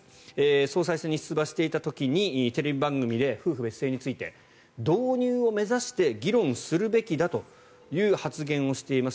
総裁選に出馬していた時にテレビ番組で夫婦別姓について導入を目指して議論するべきだという発言をしています。